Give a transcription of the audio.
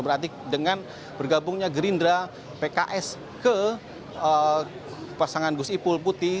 berarti dengan bergabungnya gerindra pks ke pasangan gusipul putih